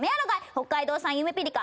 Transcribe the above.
北海道産ゆめぴりか